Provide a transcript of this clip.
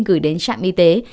gửi đến trạm y tế